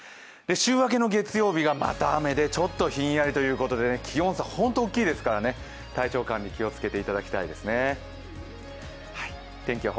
週明けの月曜日がまた雨でちょっとひんやりということで気温差、本当大きいですから体調管理気をつけていただきたいですね。